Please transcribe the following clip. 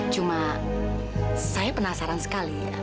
cuma saya penasaran sekali